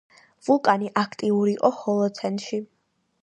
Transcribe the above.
ვულკანი აქტიური იყო ჰოლოცენში.